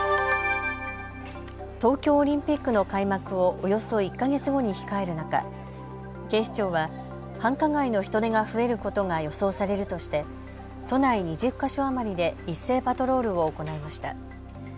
東京オリンピックの開幕をおよそ１か月後に控える中、警視庁は繁華街の人出が増えることが予想されるとして都内２０か所余りで一斉パトロールを行いました。